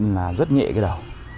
là rất nhẹ cái đầu